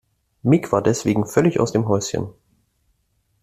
Mick war deswegen völlig aus dem Häuschen.